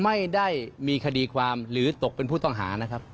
ไม่ได้มีคดีความหรือตกเป็นผู้ต้องหานะครับ